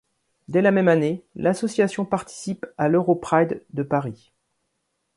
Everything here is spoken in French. Dès la même année, l'association participe à l'Europride de Paris.